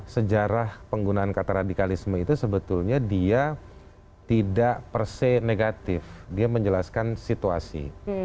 sejarah penggunaan kata radikalisme itu sebetulnya dia tidak perse negatif dia menjelaskan situasi